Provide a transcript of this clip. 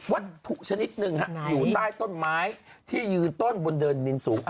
วัตถุชนิดหนึ่งอยู่ใต้ต้นไม้ที่ยืนต้นบนเดินดินสูง